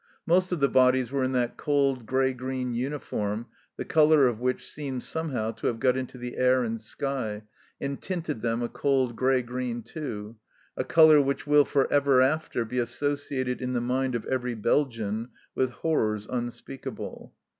Most of the bodies were in that cold grey green uniform the colour of which seemed some how to have got into the air and sky, and tinted them a cold grey green too a colour which will for ever after be associated in the mind of every Belgian with horrors unspeakable.